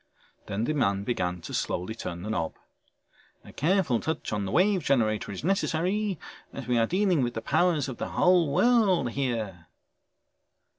Then the man began to slowly turn the knob. "A careful touch on the Wave Generator is necessary as we are dealing with the powers of the whole world here...."